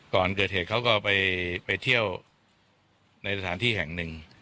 ก่อนเกิดเหตุเขาก็ไปเที่ยวในสถานที่แห่งหนึ่ง